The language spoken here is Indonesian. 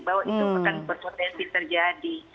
bahwa itu akan berpotensi terjadi